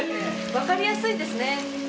わかりやすいですね。